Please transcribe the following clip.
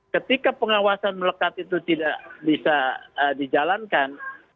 ketika pengawasan melekat itu tidak bisa dijalankan